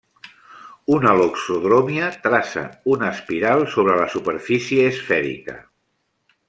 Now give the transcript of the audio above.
Una loxodròmia traça una espiral sobre la superfície esfèrica.